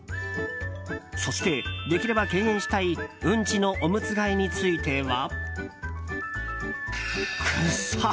そして、できれば敬遠したいウンチのおむつ替えについては。